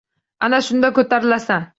Ana shunda — ko‘tarilasan!»